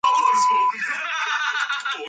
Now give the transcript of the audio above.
Other critics scored the game much lower, however.